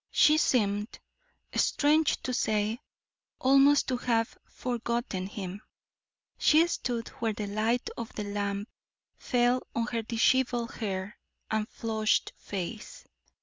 She seemed, strange to say, almost to have forgotten him. She stood where the light of the lamp fell on her disheveled hair and flushed face.